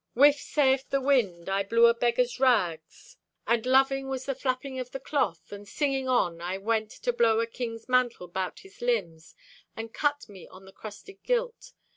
Whiff, sayeth the wind! I blew a beggar's rags, and loving Was the flapping of the cloth. And singing on I went to blow a king's mantle 'bout his limbs, And cut me on the crusted gilt.